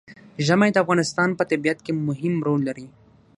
ژمی د افغانستان په طبیعت کې مهم رول لري.